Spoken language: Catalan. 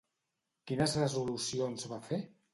Quines resolucions va fer?